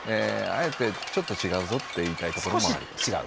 あえてちょっと違うぞって言いたいところもあります。